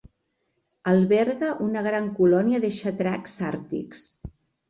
Alberga una gran colònia de xatracs àrtics.